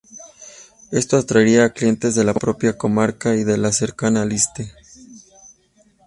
Esto atraía a clientes de la propia comarca y de la cercana Aliste.